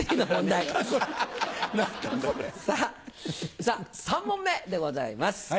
さぁ３問目でございます。